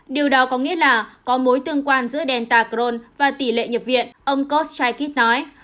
điều đó có nghĩa là có mối tương quan giữa delta crone và tỷ lệ nhập viện ông koschaikit nói